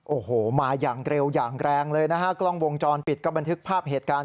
โอ้โหมาอย่างเร็วอย่างแรงเลยนะฮะกล้องวงจรปิดก็บันทึกภาพเหตุการณ์